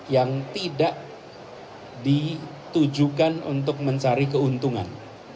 yang tidak ditujukan untuk mencari keuntungan